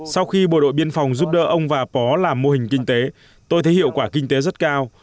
sau khi bộ đội biên phòng giúp đỡ ông và bó làm mô hình kinh tế tôi thấy hiệu quả kinh tế rất cao